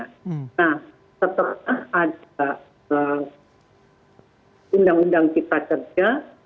nah setelah ada undang undang takserja